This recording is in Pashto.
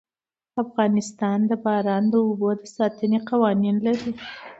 افغانستان د باران د اوبو د ساتنې قوانين لري.